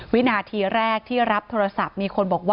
วินาทีแรกที่รับโทรศัพท์มีคนบอกว่า